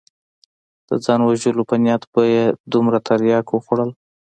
د ځان وژلو په نيت به يې دومره ترياک وخوړل.